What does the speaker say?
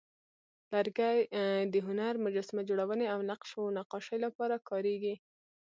لرګی د هنر، مجسمه جوړونې، او نقش و نقاشۍ لپاره کارېږي.